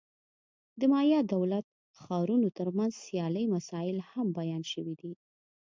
د مایا دولت-ښارونو ترمنځ سیالۍ مسایل هم بیان شوي دي.